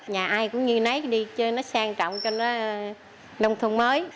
nhà ai cũng như nấy đi chơi nó sang trọng cho nó nông thuận mới